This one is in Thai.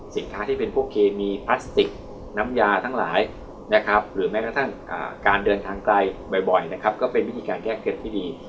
ที่เป็นพวกเคมีพลาสติกน้ำยาทั้งหลายนะครับหรือแม้กระทั่งการเดินทางไกลบ่อยนะครับก็เป็นวิธีการแก้เคล็ดที่ดี